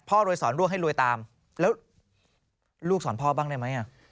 รวยสอนร่วงให้รวยตามแล้วลูกสอนพ่อบ้างได้ไหม